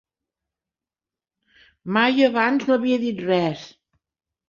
Mai abans no havia dit res.